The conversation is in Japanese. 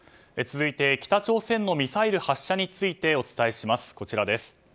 続いて北朝鮮のミサイル発射についてお伝えします。